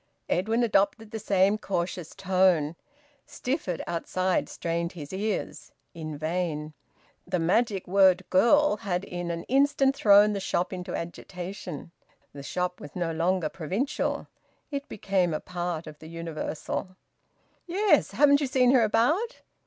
Edwin adopted the same cautious tone. Stifford, outside, strained his ears in vain. The magic word `girl' had in an instant thrown the shop into agitation. The shop was no longer provincial; it became a part of the universal. "Yes. Haven't you seen her about?"